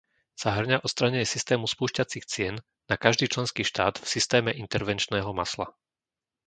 Zahŕňa odstránenie systému spúšťacích cien na každý členský štát v systéme intervenčného masla.